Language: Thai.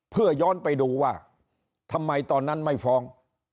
เพื่อย้อนไปดูว่าทำไมตอนนั้นไม่ฟ้อง